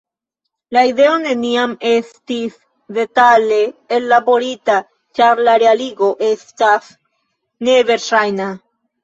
La ideo neniam estis detale ellaborita ĉar la realigo estas neverŝajna.